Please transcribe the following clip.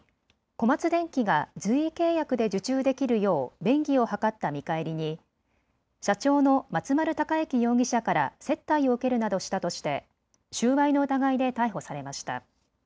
小松電器が随意契約で受注できるよう便宜を図った見返りに社長の松丸隆行容疑者から接待を受けるなどしたとして収賄の疑いで逮捕されました。